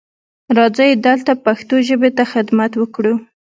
راځئ دلته پښتو ژبې ته خدمت وکړو.